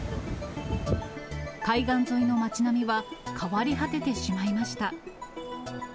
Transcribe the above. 海岸沿いの町並みは、変わり果ててしまいました。